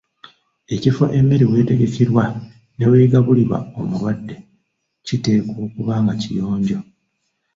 Ekifo emmere w’etegekerwa n’eweegabulirwa omulwadde kiteekwa okuba nga kiyonjo.